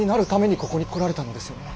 ここに来られたのですよね。